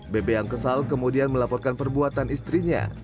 bebe yang kesal kemudian melaporkan perbuatan istrinya